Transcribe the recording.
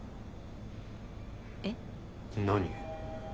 えっ？何？